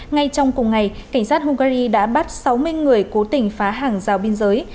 ngay trong cùng ngày cảnh sát hungary đã bắt sáu mươi người cố tình phá hàng rào biên giới